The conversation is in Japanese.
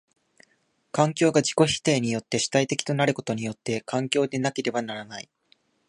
環境が自己否定によって主体的となることによって環境でなければならない。